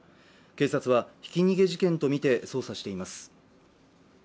警察はひき逃げ事件とみて捜査しています。